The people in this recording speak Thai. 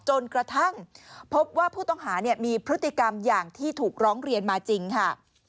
จนกระทั่งพบว่าผู้ต้องหามีพฤติกรรมอย่างที่ถูกร้องเรียนมาจริงค่ะ